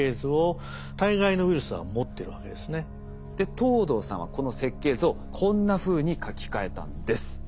藤堂さんはこの設計図をこんなふうに書き換えたんです。